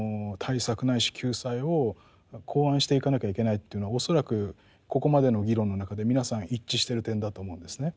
ないし救済を考案していかなきゃいけないというのは恐らくここまでの議論の中で皆さん一致してる点だと思うんですね。